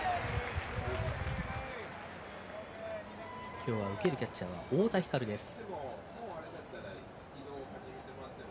今日は受けるキャッチャーは太田光です。